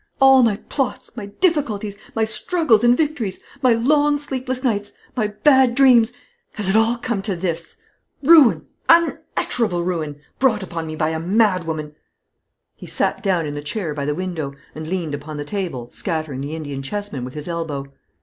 All my plots, my difficulties, my struggles and victories, my long sleepless nights, my bad dreams, has it all come to this? Ruin, unutterable ruin, brought upon me by a madwoman!" He sat down in the chair by the window, and leaned upon the table, scattering the Indian chessmen with his elbow.